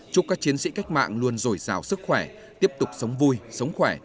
chúc các chiến sĩ cách mạng luôn rồi rào sức khỏe tiếp tục sống vui sống khỏe